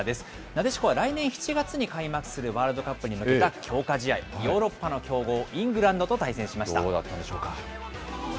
なでしこは来年７月に開幕するワールドカップに向けた強化試合、ヨーロッパの強豪、イングランドどうだったんでしょうか。